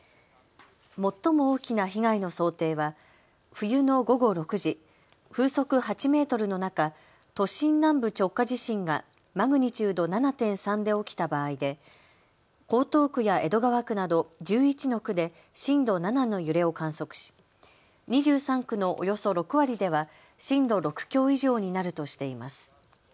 最も大きな被害の想定は冬の午後６時、風速８メートルの中、都心南部直下地震がマグニチュード７．３で起きた場合で江東区や江戸川区など１１の区で震度７の揺れを観測し２３区のおよそ６割では震度６強以上になるとしています。